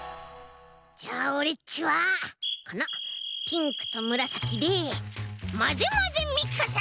じゃあオレっちはこのピンクとむらさきでまぜまぜミックス！